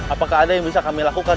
apakah ada yang bisa kami lakukan